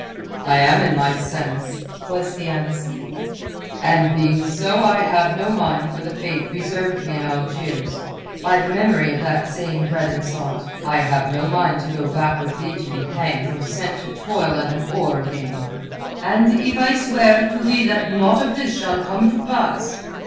"I am in my sense," was the answer, "and being so I have no mind for the fate reserved me in Algiers—by the memory of that same bread and salt. I have no mind to go back with thee to be hanged or sent to toil at an oar again." "And if I swear to thee that naught of this shall come to pass?"